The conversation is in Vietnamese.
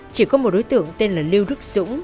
chỉ có một đối tượng tên là lưu đức dũng